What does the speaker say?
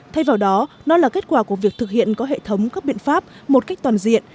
thay vào đó nó là kết quả của việc thực hiện có hệ thống các biện pháp một cách toàn diện